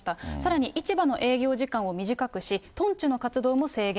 さらに市場の営業時間を短くし、トンチュの活動も制限。